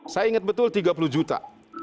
saya ingat betul tiga puluh juta